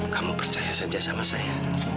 kamu percaya saja sama saya